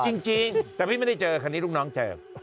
จริงแต่พี่ไม่ได้เจอคันนี้ลูกน้องเจอ